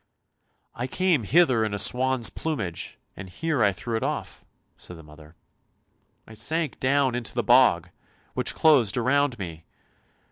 " I came hither in a swan's plumage, and here I threw it off," said the mother. " I sank down into the bog, which closed around me.